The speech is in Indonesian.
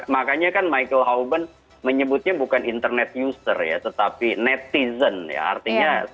makanya kan michael halbreng menyebutnya bukan internet user ya tetapi netizen ya artinya te often magazine